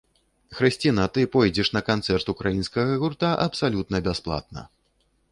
Хрысціна, ты пойдзеш на канцэрт украінскага гурта абсалютна бясплатна.